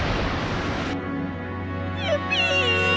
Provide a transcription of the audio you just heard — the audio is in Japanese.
ピピ！